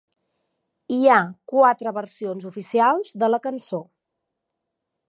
Hi ha quatre versions oficials de la cançó.